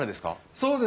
そうです。